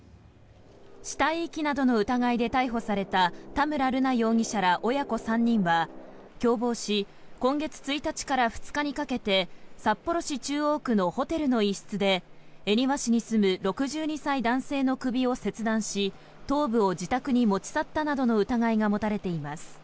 死体遺棄などの疑いで逮捕された田村瑠奈容疑者ら親子３人は共謀し今月１日から２日にかけて札幌市中央区のホテルの一室で恵庭市に住む６２歳男性の首を切断し頭部を自宅に持ち去ったなどの疑いが持たれています。